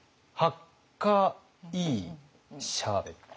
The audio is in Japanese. ハッカいいシャーベット。